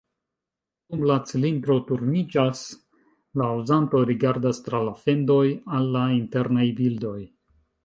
Dum la cilindro turniĝas, la uzanto rigardas tra la fendoj al la internaj bildoj.